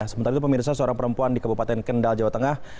sementara itu pemirsa seorang perempuan di kabupaten kendal jawa tengah